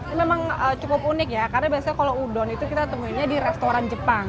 ini memang cukup unik ya karena biasanya kalau udon itu kita temuinnya di restoran jepang